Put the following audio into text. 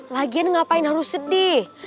lagian ngapain harus sedih